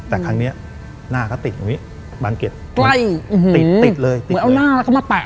แต่ครั้งเนี้ยหน้าก็ติดตรงนี้บานเก็ตใกล้ติดติดเลยติดเอาหน้าแล้วก็มาแปะ